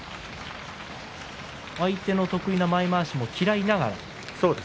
相手の得意な前まわしも嫌いながら。